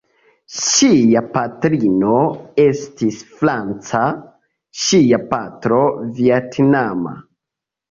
Ŝia patrino estis franca, ŝia patro vjetnama.